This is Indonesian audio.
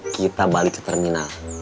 kita balik ke terminal